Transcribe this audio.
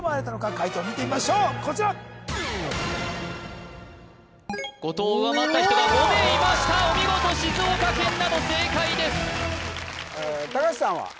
解答を見てみましょうこちら後藤を上回った人が５名いましたお見事静岡県など正解です橋さんは？